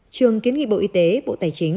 trường kiến nghị bộ y tế bộ tài chính